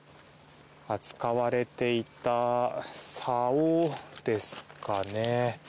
使われていたさおですかね。